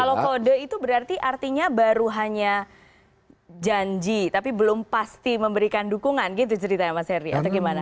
kalau kode itu berarti artinya baru hanya janji tapi belum pasti memberikan dukungan gitu ceritanya mas heri atau gimana